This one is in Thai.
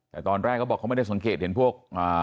แต่ตอนแรกเขาบอกเขาไม่ได้สังเกตเห็นพวก